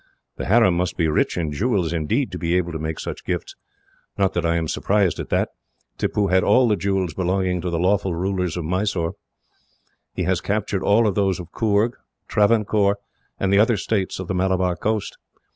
"The harem must be rich in jewels, indeed, to be able to make such gifts. Not that I am surprised at that. Tippoo had all the jewels belonging to the lawful rulers of Mysore. He has captured all those of Coorg, Travancore, and the other states on the Malabar coast.